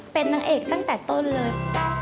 เป็นนางเอกตั้งแต่ต้นเลย